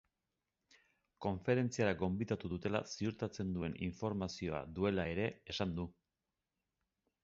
Konferentziara gonbidatu dutela ziurtatzen duen informazioa duela ere esan du.